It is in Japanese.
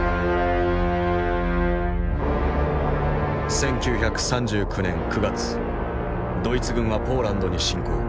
１９３９年９月ドイツ軍はポーランドに侵攻。